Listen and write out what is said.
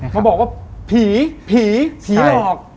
มาบอกว่าผีผีหลอก